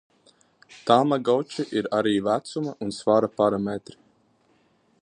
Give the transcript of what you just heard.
Tamagoči ir arī vecuma un svara parametri.